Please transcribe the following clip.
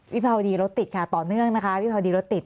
วิภาวดีรถติดค่ะต่อเนื่องนะคะวิภาวดีรถติด